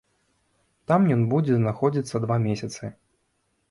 Там ён будзе знаходзіцца два месяцы.